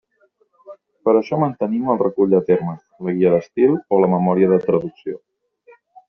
Per això mantenim el Recull de Termes, la Guia d'estil o la memòria de traducció.